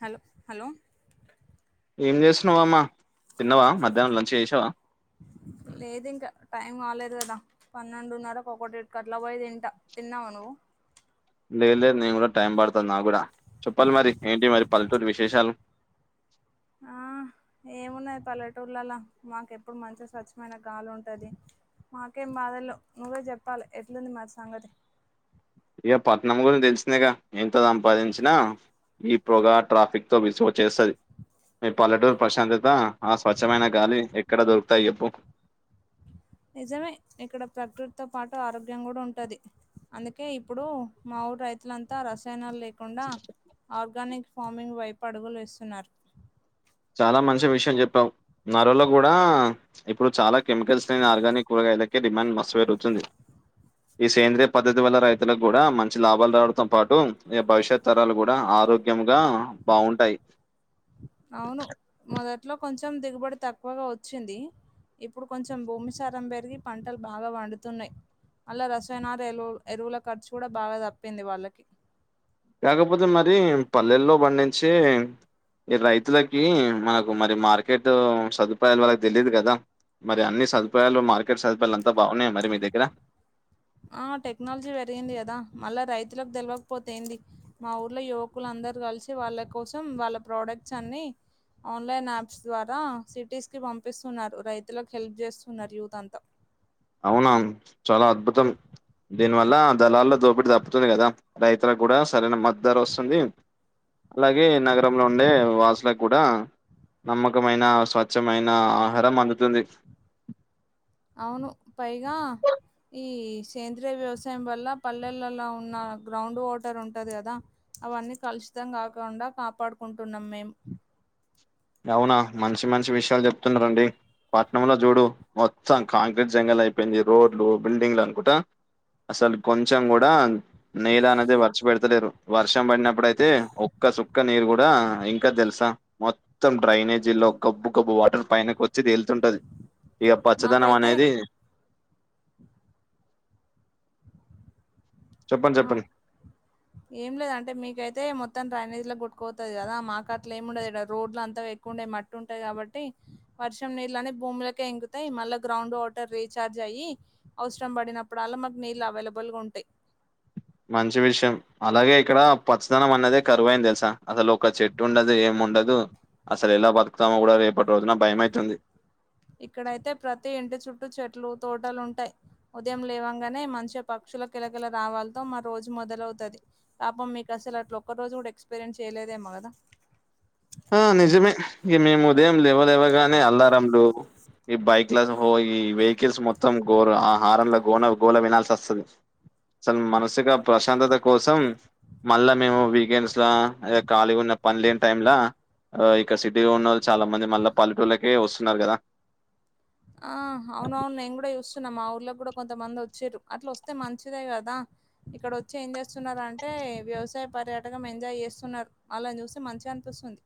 Hello hello ఏం చేస్తున్నావా అమ్మా తిన్నావా మధ్యాహ్నం లంచ్ చేసావా లేదు ఇంకా టైం కాలేదు కదా పన్నెండున్నరకి ఒకటిట్టికి అట్లా పోయి తింటా తిన్నావా నువ్వు లేద్ లేద్ నేను కూడా టైం పడతాది నాక్ గూడ చెప్పాలి మరి ఏంటి మరి పల్లెటూరి విశేషాలు ఆ ఏమున్నాది పల్లెటూర్లలో మాకేపూడు మంచిగా స్వచ్ఛమైన గాలి ఉంటది మాకేం బాధల్లేవ్ నువ్వే చెప్పాలి ఎట్లుంది మరి సంగతి ఇగ పట్నం గురించి తెలిసిందెగ ఎంత సంపాదించినా ఈ పొగా ట్రాఫిక్ తో విసుకొచ్చేస్తాది మీ పల్లెటూరీ ప్రశాంతత ఆ స్వచ్ఛమైన గాలి ఎక్కడ దొరుకుతాయి చెప్పు నిజమే ఇక్కడ ప్రకృతితో పాటు ఆరోగ్యం కూడా ఉంటది అందుకే ఇప్పుడు మా ఊరు రైతులంతా రస్ రసాయనాలు లేకుండా ఆర్గానిక్ ఫార్మింగ్ వైపు అడుగులు వేస్తున్నారు చాలా మంచి విషయం చెప్పావు నరలో కూడా ఇప్పుడు చాలా కెమికల్స్ ఆర్గానిక్ కూ లకే డిమాండ్ మస్తు పెరుగుతుంది ఈ సేంద్రియ పద్ధతి వల్ల రైతులకు కూడా మంచి లాభాలు రావడంతో పాటు ఈ భవిష్యత్ తరాలు కూడా ఆరోగ్యంగా బాగుంటాయి అవును మొదట్లో కొంచెం దిగుబడి తక్కువగా వచ్చింది ఇప్పుడు కొంచెం భూమిసారం పెరిగి పంటలు బాగా పండుతున్నాయి అలా రసాయనలు ఎ ఎరువుల ఖర్చు కూడా బాగా తప్పింది వాళ్ళకి కాకపోతే మరి పల్లెల్లో పండించి ఈ రైతులకి మనకు మరి మార్కెట్ సదుపాయాలు వాళ్ళకు తెలియదు కదా మరి అన్ని సదుపాయాలు మార్కెట్ సదుపాయాలు అంతా బాగున్నాయ మరి మీ దగ్గర ఆ టెక్నాలజీ పెరిగింది కదా మళ్ళా రైతులకు తెలవకపోతే ఏంది మా ఊర్లో యువకులాంత అందరూ కలిసి వాళ్ళ కోసం వాళ్ళ ప్రోడక్ట్స్ అన్ని ఆన్లైన్ యాప్స్ ద్వారా సిటీస్ కి పంపిస్తున్నారు రైతులకు హెల్ప్ చేస్తున్నారు యూత్ అంతా అవునా చాలా అద్భుతం దీనివల్ల దలార్ల దోపిడి దప్పుతుంది కదా రైతులకు కూడా సరైన మ దర వస్తుంది అలాగే నగరంలో ఉండే వాసులకు కూడా నమ్మకమైన స్వచ్ఛమైన ఆహారం అందుతుంది అవును పైగా ఈ సేంద్రీయ వ్యవసాయం వల్ల పల్లెలలో ఉన్న గ్రౌండ్ వాటర్ ఉంటది కదా అవన్నీ కలుషితం కాకుండా కాపాడుకుంటున్నాం మేము అవునా మంచి మంచి విషయాలు చెప్తున్నారండి పట్నంలో చూడు మొత్తం కాంక్రీట్ జంగల్ అయిపోయింది రోడ్లు బిల్డింగ్లు అనుకుంటా అసలు కొంచెం కూడా నేదా అనేదే వర్చి పెడతలేరు వర్షం పడినప్పుడుయితే ఒక్క చుక్క నీరు కూడా ఇంకదు తెలుసా మొ మొత్తం డ్రైనేజీ లో గబ్బు గబ్బు వాటర్ పైనికి వచ్చి తేలుతుంటది ఇక పచ్చదనం మాకైతే అనేది చెప్పండి ఆ చెప్పండి ఏం లేద్ అంటే మీకైతే మొత్త మొత్తం డ్రనేజ్ లకు కొట్టుకపోతది కదా మాకు అట్ల ఏముండదు ఈడ రోడ్లు అంతా ఎక్కువుండాయి అంత మట్టు ఉంటది కాబట్టి వర్షం నీళ్ అన్ని భూములకే ఇంగుతయి మళ్ళా గ్రౌండ్ వాటర్ రీచార్జ్ అయ్యి అవసరం పడినప్పుడల్ల మకు నీళ్ అవలబుల్ గా ఉంటాయి మంచి విషయం అలాగే ఇక్కడ పచ్చదనం అన్నదే కరువయింది తెలుసా అసలు ఒక చెట్టు ఉండదు ఏం ఉండదు అసలు ఎలా బతుకుతామో కూడా రేపటి రోజున భయమైతుంది ఇక్కడైతే ప్రతి ఇంటి చుట్టూ చెట్లు తోటలు ఉంటాయి ఉదయం లేవగానే మంచిగా పక్షుల కిల కల రావాలతో మా రోజు మొదలవుతాది. పాపం మీకసలు అట్లా ఒక్క రోజు కూడా ఎక్స్పీరియన్స్ చేయలేదేమో కదా ఆ నిజమే ఇక మేము ఉదయం లేవ లేవగానే అల్లరంలు ఈ బైక్లద్ హో ఈ వెహికల్స్ మొత్తం గోర ఆ హారన్ ల గోనల్ గోల వినాల్సి వస్తది అసలు మనసికా ప్రశాంతత కోసం మళ్ళా మేము వీకెండ్స్ ల అదే ఖాళీ ఉన్న పని లేని టైమ్లా ఆ ఇక్కడ సిటీలో ఉన్నళ్ళు చాలా మంది మళ్ళా పల్లెటూళ్లకే వస్తున్నారు కదా ఆ అవున అవును నేను కూడా చూస్ న్న మా ఊర్లో కూడా కొంతమంది వచ్చిరు అట్ల వస్తే మంచిదే కదా ఇక్కడ వచ్చి ఏం చేస్తున్నారంటే ఏ వ్యవసాయ పర్యాటకం ఎంజాయ్ చేస్తున్నారు అలాని చూస్తే మంచిగా అనిపిస్తుంది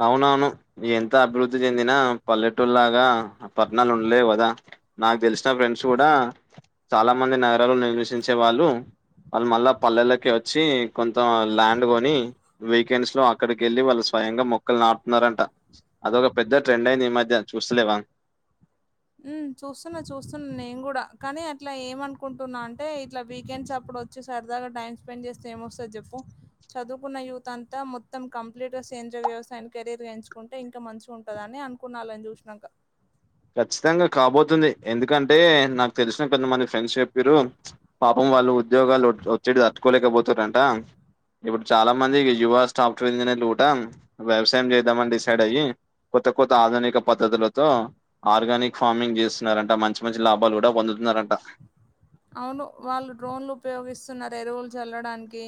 అ అవునవును ఎంత అభివృద్ధి చెందిన పల్లెటూరులాగా పట్టనాలు ఉండలేవ్ కదా నాకు తెలిసిన ఫ్రెండ్స్ కూడా చాలా మంది నగరాలో నిర్వసించే వాళ్ళు వాళ్ళు మళ్ళా పల్లెల్లకె వచ్చి కొంత ల్యాండ్ కొని వీకెండ్స్ లో అక్కడికి వెళ్ళి వాళ్ళుస్ స్వయంగా మొక్కలు నాటుతున్నారంట అదొక పెద్ద ట్రెండ్ అయింది ఈ మధ్యన చూస్తలేవా హ్మ్. చూస్తున్నా, కుంటున్నా అంటే ఇట్లా వీకెండ్స్ అప్పుడు వచ్చి సరదాగా టైం స్పెండ్ చేస్తే ఏమోస్తది చెప్పు చదువుకున్న యూత్ అంతా మొత్తం కంప్లీట్ గా సేంద్ర వ్యవసాయని కెరీర్ గా ఎంచుకుంటే ఇంకా మంచిగా ఉంటదని ఏ అనుకున్నా ఆలని చూసినంక ఖచ్చితంగా కాబోతుంది ఎందుకంటే నాకు తెలిసిన కొంతమంది ఫ్రెండ్స్ చెప్పిరు పాపం వాళ్ళు ఉద్యోగాలు ఒత్ ఒత్తిడి తట్టుకోలేకపోతురంట ఇప్పుడు చాలా మంది యువ స్టాఫ్ట్వేర్ ఇంజనీర్ లు కూడా వ్యవసాయం చేద్దాం అని డిసైడ్ అయ్యి కొత్త కొత్త ఆధునిక పద్ధతులతో ఆర్గానిక్ ఫార్మింగ్ చేస్తున్నారంట మంచి మంచి లాభాలు కూడా పొందుతున్నారంట అవును. వాళ్ళు డ్రోన్లు ఉపయోగిస్తున్నారు ఎరువులు చల్లడానికి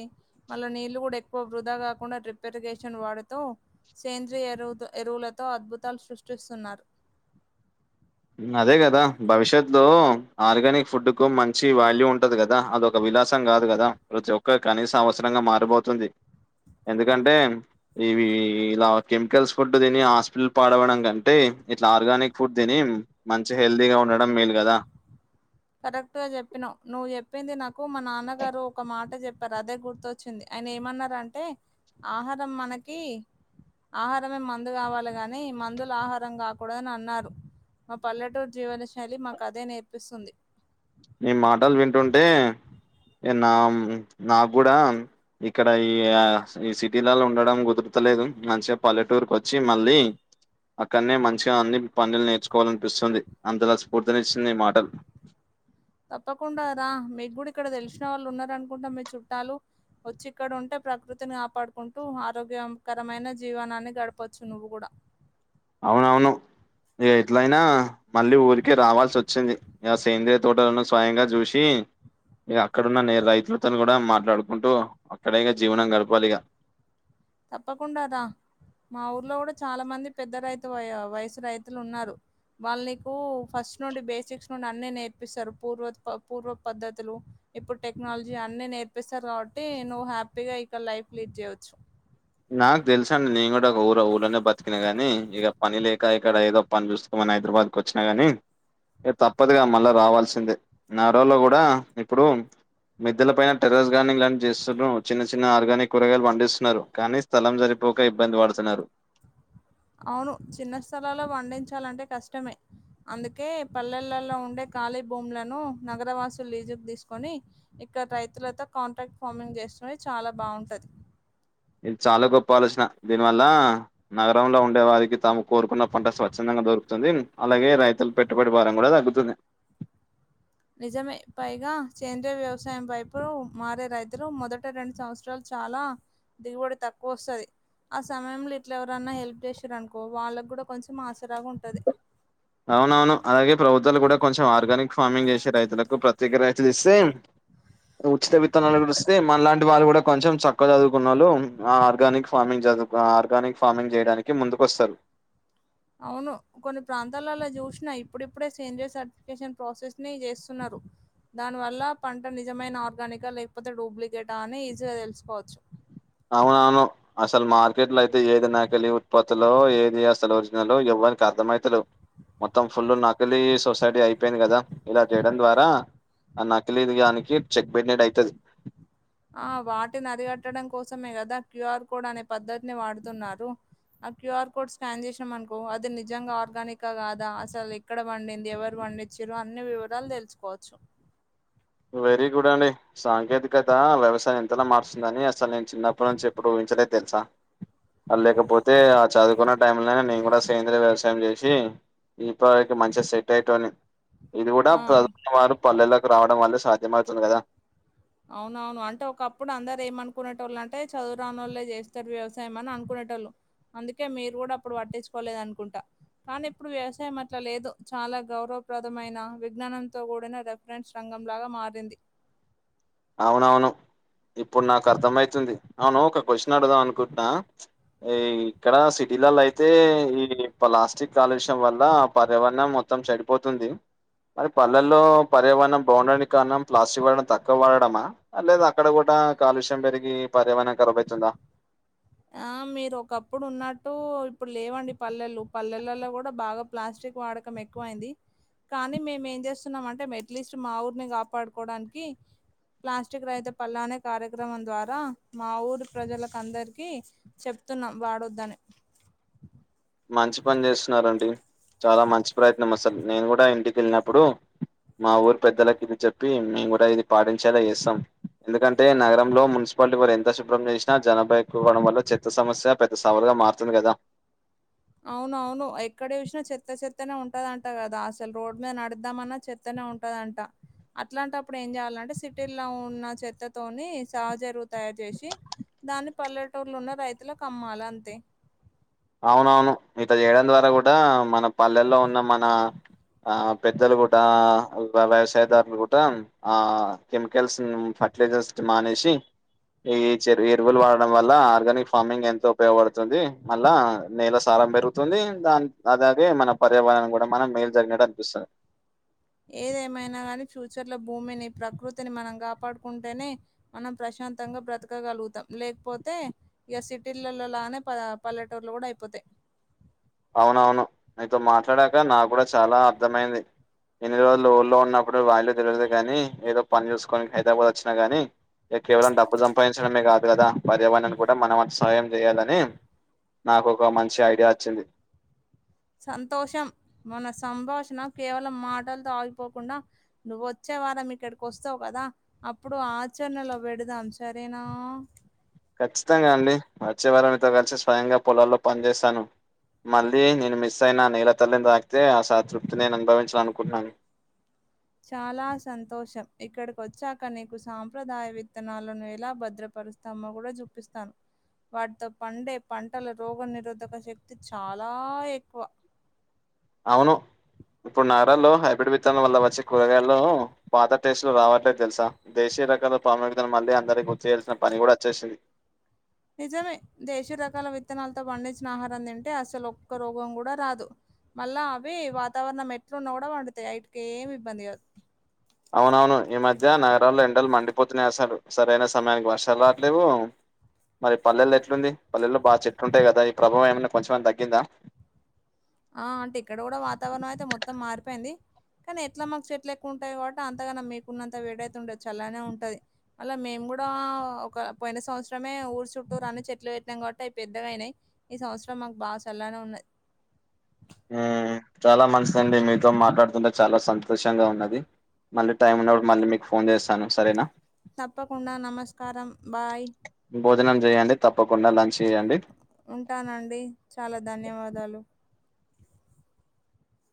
మళ్ళీ నీళ్లు కూడా ఎక్కువ వృధా కాకుండా ట్రిపెరిగేషన్ వాడుతూ సేంద్రియ ఎరువు ఎరువులతో అద్భుతాలు సృష్టిస్తున్నారు అదే కదా భవిష్యత్ లో ఆర్గానిక్ ఫుడ్ కు మంచి వాల్యూ ఉంటది కదా అదొక వి విలాసం కాదు గదా ప్రతి ఒక్క కనీస అవసరంగా మారిబోతుంది. ఎందుకంటే, ఇవి ఇలా కెమికల్స్ ఫుడ్ తిని హాస్పిటల్ పాడవడం కంటే ఇట్లా ఆర్గానిక్ ఫుడ్ తిని, మంచి హెల్తీగా ఉండడం మేల్ కదా. కరెక్ట్ గా చెప్పినవ్, నువ్వు చెప్పింది నాకు మా నాన్నగారు ఒక మాట చెప్ చెప్పారు అదే గుర్తొచ్చింది, ఆయన ఏమన్నంటే ఆహారం మనకి ఆహారమే మందు కావాలి గనీ, మందులు ఆహారం కాకూడదని అన్నారు. మా పల్లెటూరు జీవనశైలి మాకు అదే నేర్పిస్తుంది. నీ మాటలు వింటుంటే నామ్ నాక్కూడా ఇక్కడ ఈయా ఈ సిటీలల్లో ఉండడం కుదురు త్తలేదు మంచిగా పల్లెటూరుకి వచ్చి మళ్ళీ అక్కనే మంచిగా అన్ని పన్నలు నేర్చుకోవాలనిపిస్తుంది, అంతలా స్ఫూర్తినిచ్చింది నీ మాటలు తప్పకుండా రా, మీకు కూడా ఇక్కడ తెలిసిన వాళ్ళు ఉన్నరు అనుకుంటాం మీ చుట్టాలు. వచ్చి ఇక్కడ ఉంటే ప్రకృతిని కాపాడుకుంటూ, ఆరోగ్యకరమైన జీవనాన్ని గడపచ్చు నువ్వు కూడా. అవునవును ఇగ ఎట్లయినా మళ్ళీ ఊరికే రావాల్సచ్చింది ఆ సేంద్రియ తోటలను స్వయంగా చూసి ఇక అక్కడున్న నేల రైతులతో కూడా మాట్లాడుకుంటూ, అక్కడేగా జీవనం గడపాలి ఇగ తప్పకుండా రా మా ఊర్లో గుడ చాలా మంది పెద్ద రైతు వయ వయసు రైతులు ఉన్నారు. వాళ్ నీకు ఫస్ట్ నుండి బేసిక్స్ నుండి అన్ని నేర్పిస్తరు, పూర్ పూర్వ పద్ధతులు ఇప్పుడు టెక్నాలజీ అన్ని నేర్పిస్తరు కాబట్టి నువ్వు హ్యాపీగా ఇక్క లైఫ్ లీడ్ చేయచ్చు. నాకు తెలుస అండి నేను కూడా ఒక ఊర ఊళ్ళనే బతికినా గాని, ఇగ పని లేక ఇక్కడ ఏదో పని చూసుకో మొన్న హైదరాబాద్ కు వచ్చినా గానీ తప్పదుగా మళ్ళా రావాల్సిందే నా రోజుల్లో గుడా ఇప్పుడు మిద్దల పైన టెర్రెస్ గార్డెనింగ్ లని చేస్తుర్రు, చిన్న చిన్న ఆర్గానిక్ కూరగాయలు పండిస్తున్నరు. కానీ స్థలం సరిపోక ఇబ్బంది పడుతున్నారు అవును చిన్న స్థలాల్లో పండించాలంటే కష్టమే, అందుకే పల్లెలలో ఉండే ఖాళీ భూములను నగర వాసులు లీజు తీసుకొని ఇక్కడ రైతులతో కాంట్రాక్ట్ ఫార్మింగ్ చేస్ సోయి చాలా బాగుంటది ఇది చాలా గొప్ప ఆలోచన. దీనివల్ల నగరంలో ఉండే వారికి తాము కోరుకున్న పంట స్వచ్ఛందం ఇంగ దొరుకుతుంది అలాగే రైతులు పెట్టుబడి భారం కూడా తగ్గుతుంది. నిజమే పైగా సేంద్రియ వ్యవసాయం వైపు మారే రైతులు, మొదట రెండు సంవత్సరాలు చ్ చాలా దిగుబడి తక్కువ వస్తది. ఆ సమయంలో ఇట్ల ఎవరన్నా హెల్ప్ చేసిండ్రు అనుకో వాళ్ళకు కూడా కొంచెం ఆసరాగా ఉంటది. అవునవును అలాగే ప్రభుత్వాలు కూడా కొంచెం ఆర్గానిక్ ఫార్మింగ్ చేసే రైతులకు ప్రత్యేక రైతులు ఇస్తే ఉచిత విత్తనాలు ఇస్తే మనలాంటి వాళ్ళు కూడా కొంచెం చక్కగా చదువుకున్నోళ్లు, ఆ ఆర్గానిక్ ఫార్మింగ్ చదు ఆ ఆర్గానిక్ ఫార్మింగ్ చేయడానికి ముందుకొస్తరు. అవును కొన్ని ప్రాంతాలలో చూసినా ఇప్పుడిప్పుడే సేంద్రియ సర్టిఫికేషన్ ప్రాసెస్ ని చేస్తున్నరు. దానివల్ల పంట నిజమైన ఆర్గానికా లేకపోతే డూప్లికేటా అని ఈజీగా తెలుసుకోవచ్చు. అవునవును అసలు మార్కెట్ లో అయితే ఏది నాకెళ్లి ఉత్పత్తులో ఏది అసలు ఒరిజినలో ఎవ్ వనికి అర్థమయితలెవ్. మొత్తం ఫుల్ నకిలీ సొసైటీ అయిపోయింది కదా, ఇలా చేయడం ద్వారా అ నాకిలీది గానికి చెక్ పెట్టినట్టు ఐతది. ఆ వాటిని అరిగట్టడం కోసమే కదా క్యూఆర్ కోడ్ అనే పద్ధతిని వాడుతున్నారు. ఆ క్యూఆర్ కోడ్ స్కాన్ చేసాం అనుకో అది నిజంగా ఆర్గానికా కాదా అసలు ఎక్కడ పండింది ఎవరు పండిచ్చిర్రు అన్ని వివరాలు తెలుసుకోవచ్చు వెరీ గుడ్ అండి సాంకేతికత వ్యవసాయం ఎంతలా మారుస్తుందని అసలు నేను చిన్నప్పటి నుంచి ఎప్పుడు తెలుసా ఆ లేకపోతే ఆ చదువుకున్న టైం లోనే నేను కూడా సేంద్రియ వ్యవసాయం చేసి ఇప్పటివరకు మంచిగా సెట్ అయ్యేటోడ్ని ఇది కూడా ఆ! ప్రజ వారు పల్లెల్లోకి రావడం వల్లే సాధ్యం అవుతుంది కదా అవున అవును అంటే ఒకప్పుడు అందరు ఏమ అనుకునే వాళ్ళు అంటే చదువు రాని వాళ్ళలే చేస్తారు వ్యవసాయం అని అనుకునే అందుకే మీరు కూడా అప్పుడు పట్టించుకోలేదనుకుంటా కానీ ఇప్పుడు వ్యవసాయం అట్లా లేదు చాలా గౌరవప్రదమైన విజ్ఞానంతో కూడిన రెఫరెన్స్ రంగ రంగంలాగా మారింది అవునవును ఇప్పుడు నాకు అర్థం అయితుంది అవును ఒక క్వశ్చన్ అడుగుదాం అనుకుంటున్నా ఈ ఇక్కడ పిల్లలయితే ఈ ప్లాస్టిక్ కాలుష్యం వల్ల పర్యావరణం మొత్తం చెడిపోతుంది మరి పల్లెలో పర్యావరణం బాగుండడానికి కారణం ప్లాస్టిక్ వాడడం తగ్ వాడడామా అ లేదక్కడ కూడా కాలుష్యం పెరిగి పర్యావరణం కర్బతుందా ఆ మీరు ఒకప్పుడు ఉన్నట్టు ఇప్పుడు లేవండి పల్లెలు పల్లెలలో కూడా బాగా ప్లాస్టిక్ ప్లాస్టిక్ వాడకం ఎక్కువ అయింది కానీ మేము ఏం చేస్తున్నామ అంటే అట్లీస్ట్ మా ఊరిని కాపాడుకోవడానికి ప్లాస్టిక్ రహిత పల్లానే కార్యక్రమం ద్వారా మా ఊరు ప్రజలకు అందరి కి చెప్తున్నాం వాడొద్దని మంచి పని చేస్తున్నరండి చాలా మంచి ప్రయత్నం అసలు నేను కూడా ఇంటికి వెళ్ళినప్పుడు మా ఊరు పెద్దలకి ఇది చెప్పి మేము కూడా ఇది పాటించేలా చేస్తాం ఎందుకంటే నగరంలో మున్సిపాలిటీ వారు ఎంత శుభ్రం చేసినా జనభా ఎక్కువడం వల్ల చెత్త సమస్య పెద్ద మారుతుంది కదా అవునవును ఎక్కడ చూసినా చెత్త చెత్తనే ఉంటదింటా కదా అసలు రోడ్ మీద నడుదామన్నా చెత్తనే ఉంటదంట అట్లాంటప్పుడు ఏం చేయాలంటే సిటీలో ఉన్న చెత్తతోని సహజ ఎరువు తయారు చేసి దాని పల్లెటూర్లున్న రైతుల కమ్మాల అంతే అవునవును ఇట్ల చేయడం ద్వారా కూడా మన పల్లెల్లో ఉన్న మన ఆ పెద్దలు కూడా వ్యవసాయదారులు కూడా ఆ కెమికల్స్ అట్లే జస్ట్ మానేసి ఈ చే ఎరువులు వాడడం వల్ల ఆర్గానిక్ ఫార్మింగ్ ఎంతో ఉపయోగపడుతుంది మళ్ళా నేల సారం పెరుగుతుంది దాని అలాగే మన పర్యావరణం కూడా మనం మేలు జరిగినట్టు అనిపిస్తది ఏదేమైనా కానీ ఫ్యూచర్ లో భూమిని ప్రకృతిని మనం కాపాడుకుంటేనే మనం ప్రశంతంగా బ్రతకగలుగుతాం లేకపోతే ఇక సిటీలలోలానే ప పల్లెటూరులో కూడా అయిపోతాయి అవునవును నీతో మాట్లాడాక నా కూడా చాలా అర్థమైంది ఎన్ని రోజులు ఊళ్ళో ఉన్నప్పుడు వాల్యూ తెలియదు కాని ఏదో పని చూసుకోని హైదరాబాద్ వచ్చినా గానీ కేవలం డబ్బు సంపాదించడం మీ కాదు లేదా పర్యావరణం కూడా మనం వంతు సాయం చేయాలని నాకు ఒక మంచి ఐడియా వచ్చింది సంతోషం మన సంభాషణ కేవలం మాటలతో ఆగిపోకుండా నువ్వచ్చే వారం ఇక్కడికి వస్తావు కదా అప్పుడు ఆచరణలో పెడదాం సరేనా ఖచ్చితంగా అండి వచ్చే వారం మీతో కలిసి స్వయంగా పొలాల్లో పని చేస్తాను మళ్ళీ నేను మిస్ అయిన నేల తల్లిని తాగితే ఆస తృప్తి నేను అనుభవించాల అనుకుంటున్నాను చాలా సంతోషం ఇక్కడికి వచ్చాక నీకు సాంప్రదాయ విత్తనాలను ఎలా భద్రపడ పరుస్తామ కూడా చూపిస్తాను వాటితో పండే పంటల రోగ నిరోధక శక్తి చాలా ఎక్కువ అవును ఇప్పుడు నారల్లో హైబ్రిడ్ విత్తనం వల్ల వచ్చి కూరగాయలు పాత టేస్టులు రావట్లేదు తెలుసా దేశీ ప్ర రకాల పాము మళ్ళీ అందరికి గుర్తుయాల్సిన పని కూడా వచ్చేసింది నిజమే దేశీ రకాల విత్తనాలతో పండించిన ఆహారం తింటే అసలు ఒక్క రోగం కూడా రాదు మళ్ళా అవి వాతావరణం ఎట్లున్న కూడా వంతాయి ఇటికి ఏమి ఇబ్బంది కాదు అవునవును ఈ మధ్య నగరాల్లో ఎండలు మండిపోతూనే వస్తాడు సరైన సమయానికి వర్షాలు రావట్లేవు మరి పల్లెల్లో ఎట్లుంది పల్లెల్లో బాగా చెట్లుంటాయి కదా ఈ ప్రభావం ఏమైన్నా కొంచమైనా తగ్గిందా ఆ అంటే ఇక్కడ కూడా వాతావరణం అయితే మొత్తం మారిపోయింది కానీ ఎట్లా మాకు చెట్లు ఎక్కువ ఉంటాయి కాబట్టి అంతగాన్నా మీకున్నంత వేడైతే ఉండదు చల్లనే ఉంటది మళ్లా మేము కూడా ఒక పోయిన సంవత్సరమే ఊరు చుట్టూరు అన్న చెట్లు పెట్నాం కాట్టి పెద్దగా అయినాయి ఈ సంవత్సరం మాకు బాగా చల్లానే ఉన్నది చాలా మంచిదండి మీతో మాట్లాడుతుంటే చాలా సంతోషంగా ఉన్నది మళ్ళీ టైం ఉన్నప్పుడు మళ్ళీ మీకు ఫోన్ చేస్తాను సరేనా తప్పకుండా నమస్కారం బాయ్ భోజనం చేయడి తప్పకుండా లంచ్ చేయండి ఉంటానండి చాలా ధన్యవాదాలు